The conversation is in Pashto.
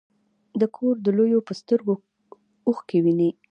د کور د لویو په سترګو اوښکې وینې.